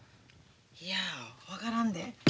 いや分からんで。